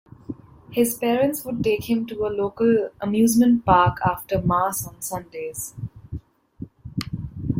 His parents would take him to a local amusement park after Mass on Sundays.